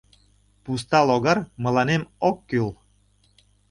Пуста логар мыланем ок кӱл.